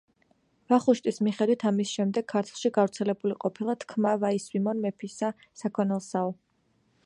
ვახუშტის მიხედვით, ამის შემდეგ ქართლში გავრცელებული ყოფილა თქმა: „ვაი სვიმონ მეფისა საქონელსაო“.